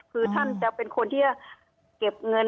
คือท่านจะเป็นคนที่จะเก็บเงิน